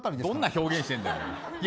どんな表現してるんだよ。